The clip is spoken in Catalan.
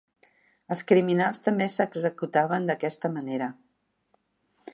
Els criminals també s'executaven d'aquesta manera.